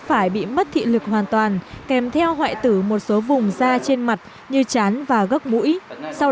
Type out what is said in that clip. phải bị mất thị lực hoàn toàn kèm theo hoại tử một số vùng da trên mặt như chán và gốc mũi sau